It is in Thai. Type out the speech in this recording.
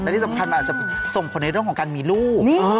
อาจจะส่งคนในเรื่องของการมีลูก